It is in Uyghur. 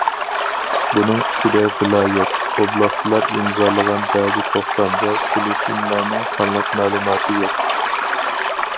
بۇنىڭ ئىچىدە ۋىلايەت، ئوبلاستلار ئىمزالىغان بەزى توختام ۋە كېلىشىملەرنىڭ سانلىق مەلۇماتى يوق.